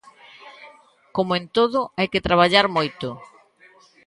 Como en todo, hai que traballar moito.